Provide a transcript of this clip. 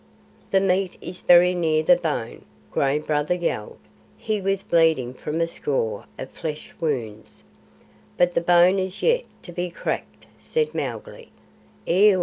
"The meat is very near the bone," Gray Brother yelled. He was bleeding from a score of flesh wounds. "But the bone is yet to be cracked," said Mowgli.